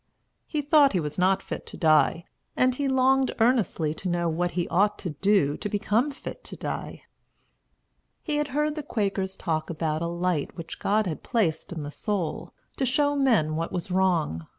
He thought he was not fit to die, and he longed earnestly to know what he ought to do to become fit to die. He had heard the Quakers talk about a light which God had placed in the soul, to show men what was wrong.